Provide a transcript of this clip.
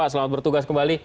selamat bertugas kembali